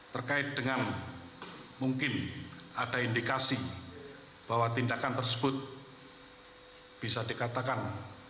terkait dengan mungkin ada indikasi bahwa tindakan tersebut bisa dikatakan